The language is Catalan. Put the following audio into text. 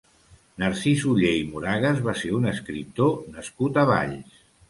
Narcís Oller i Moragas va ser un escriptor nascut a Valls.